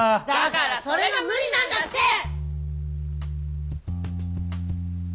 だからそれが無理なんだって！